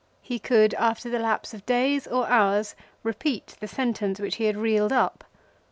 He could, after the lapse of days or hours, repeat the sentence which he had reeled up.